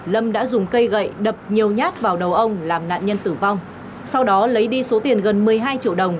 lâm đã dùng cây gậy đập nhiều nhát vào đầu ông làm nạn nhân tử vong sau đó lấy đi số tiền gần một mươi hai triệu đồng